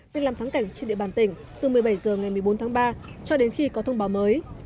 danh làm thắng cảnh trên địa bàn tỉnh từ một mươi bảy h ngày một mươi bốn tháng ba cho đến khi có thông báo mới